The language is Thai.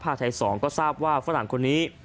ไทย๒ก็ทราบว่าฝรั่งคนนี้